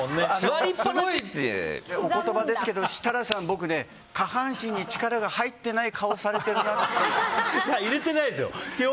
お言葉ですけど設楽さん、僕下半身に力が入っていない入れてないですよ！